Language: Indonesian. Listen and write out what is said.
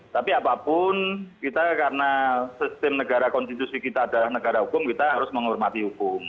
tapi apapun kita karena sistem negara konstitusi kita adalah negara hukum kita harus menghormati hukum